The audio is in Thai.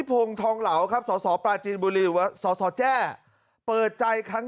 พงศ์ทองเหลาครับสสปลาจีนบุรีหรือว่าสสแจ้เปิดใจครั้ง